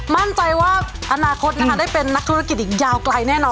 มั่นใจว่าอนาคตนะคะได้เป็นนักธุรกิจอีกยาวไกลแน่นอน